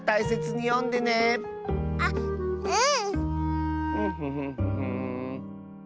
あっうん！